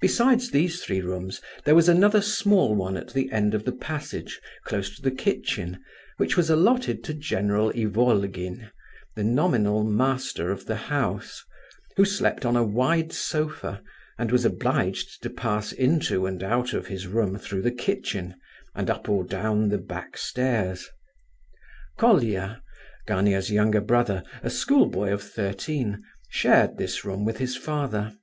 Besides these three rooms there was another small one at the end of the passage, close to the kitchen, which was allotted to General Ivolgin, the nominal master of the house, who slept on a wide sofa, and was obliged to pass into and out of his room through the kitchen, and up or down the back stairs. Colia, Gania's young brother, a school boy of thirteen, shared this room with his father.